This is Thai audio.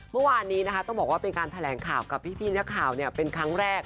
เมื่อวานนี้นะคะต้องบอกว่าเป็นการแถลงข่าวกับพี่นักข่าวเป็นครั้งแรก